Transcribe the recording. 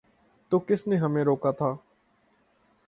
تو کس نے ہمیں روکا تھا؟